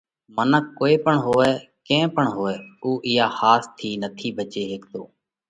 منک ڪوئي پڻ هوئہ، ڪئين پڻ هوئہ اُو اِيئا ۿاس ٿِي نٿِي ڀچي هيڪتو۔